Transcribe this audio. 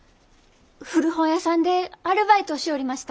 古本屋さんでアルバイトをしょうりました。